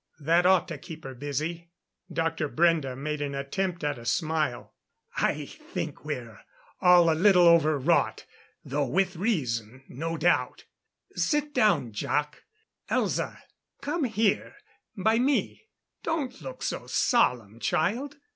That ought to keep her busy." Dr. Brende made an attempt at a smile. "I think we are all a little overwrought though with reason, no doubt. Sit down, Jac. Elza, come here by me. Don't look so solemn, child."